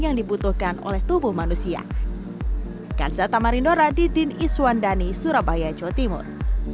yang dibutuhkan oleh tubuh manusia kansa tamarindora didin iswandani surabaya jawa timur